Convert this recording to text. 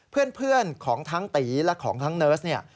เพื่อนของทั้งตีและของทั้งเนิร์สเนี่ย